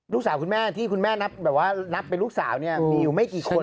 คุณแม่ที่คุณแม่นับแบบว่านับเป็นลูกสาวเนี่ยมีอยู่ไม่กี่คน